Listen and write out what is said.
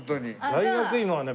大学芋はね